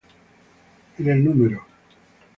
En el No.